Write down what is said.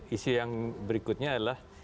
isi yang berikutnya adalah